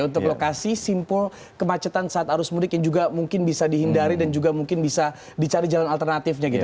untuk lokasi simpul kemacetan saat arus mudik yang juga mungkin bisa dihindari dan juga mungkin bisa dicari jalan alternatifnya gitu